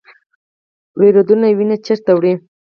وریدونه وینه چیرته وړي؟